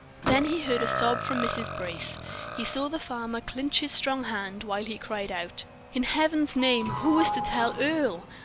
Then he heard a sob from Mrs. Brace. He saw the farmer clinch his strong hand, while he cried out: "In Heaven's name, who is to tell Earle?